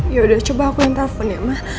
yaudah coba aku yang telepon ya ma